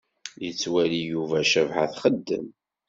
Yettwali Yuba Cabḥa txeddem.